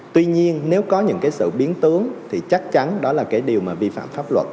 tuy nhiên nếu có những cái sự biến tướng thì chắc chắn đó là cái điều mà vi phạm pháp luật